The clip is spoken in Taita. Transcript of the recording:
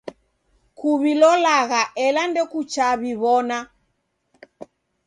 Kuw'ilolagha ela ndokuchaa w'iw'ona.